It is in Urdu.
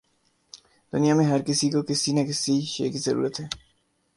دنیا میں ہر کسی کو کسی نہ کسی شے کی ضرورت ہے۔